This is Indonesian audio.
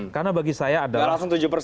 karena bagi saya adalah